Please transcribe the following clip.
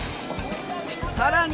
さらに。